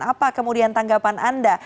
apa kemudian tanggapan anda